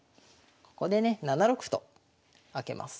ここでね７六歩と開けます。